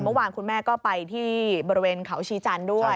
เมื่อวานคุณแม่ก็ไปที่บริเวณเขาชีจันทร์ด้วย